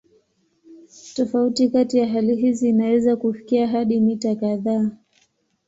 Tofauti kati ya hali hizi inaweza kufikia hadi mita kadhaa.